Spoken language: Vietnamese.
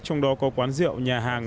trong đó có quán rượu nhà hàng